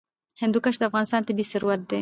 هندوکش د افغانستان طبعي ثروت دی.